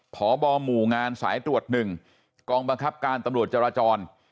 พบหมู่งานสายตรวจ๑กองบังคับการตำรวจจราจร